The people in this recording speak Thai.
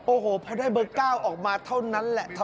โอ้โฮเพราะได้เบอร์๙ออกมาเท่านั้นแหละครับ